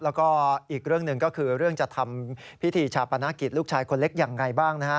แล้วก็อีกเรื่องหนึ่งก็คือเรื่องจะทำพิธีชาปนกิจลูกชายคนเล็กอย่างไรบ้างนะฮะ